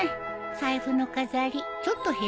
財布の飾りちょっと減らすよ。